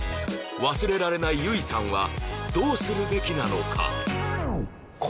忘れられないユイさんはどうするべきなのか？